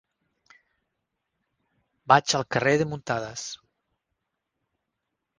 Vaig al carrer de Muntadas.